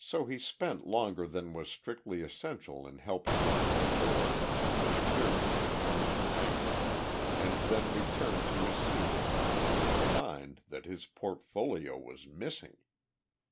So he spent longer than was strictly essential in helping her to the door she appeared to have turned her ankle and then returned to his seat only to find that his portfolio was missing!